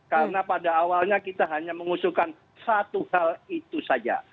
karena pada awalnya kita hanya mengusulkan satu hal itu saja